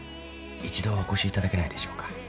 一度お越しいただけないでしょうか。